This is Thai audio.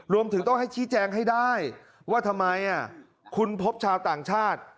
รวมถึงต้องให้ชี้แจงให้ได้ว่าทำไมคุณพบชาวต่างชาติ